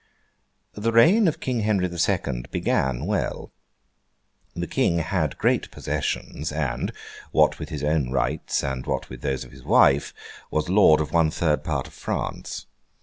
The reign of King Henry the Second began well. The King had great possessions, and (what with his own rights, and what with those of his wife) was lord of one third part of France.